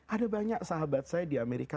ada banyak sahabat saya di amerika